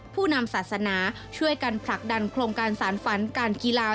ผู้นำศาสนาช่วยกันผลักดันโครงการสารฝันการกีฬา